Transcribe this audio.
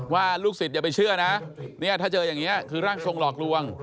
ลูกศิษย์อย่าไปเชื่อนะเนี่ยถ้าเจออย่างนี้คือร่างทรงหลอกลวง